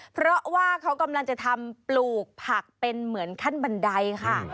เพราะว่าเขากำลังจะทำปลูกผักเป็นเหมือนขั้นบันไดค่ะ